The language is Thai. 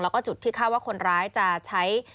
แล้วก็จุดที่คาดว่าคนร้ายจะใช้